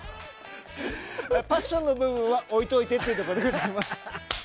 カッションの部分は置いておいてということです。